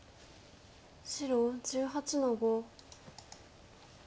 白１８の五。